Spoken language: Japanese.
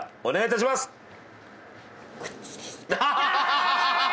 ハハハハ！